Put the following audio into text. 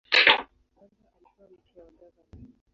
Kwanza alikuwa mke wa gavana.